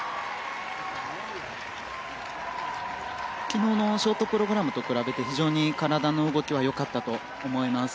昨日のショートプログラムと比べて非常に体の動きは良かったと思います。